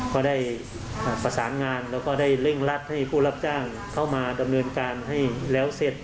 ก็ได้ประสานงานแล้วก็ได้เร่งรัดให้ผู้รับจ้างเข้ามาดำเนินการให้แล้วเสร็จ